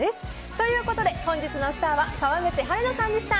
ということで、本日のスターは川口春奈さんでした。